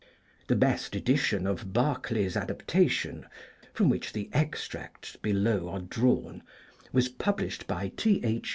The best edition of Barclay's adaptation, from which the extracts below are drawn, was published by T.H.